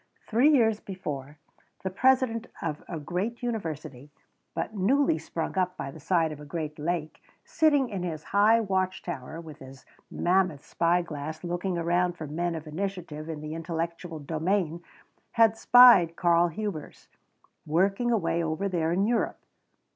Three years before, the president of a great university, but newly sprung up by the side of a great lake, sitting in his high watch tower and with mammoth spy glass looking around for men of initiative in the intellectual domain, had spied Karl Hubers, working away over there in Europe.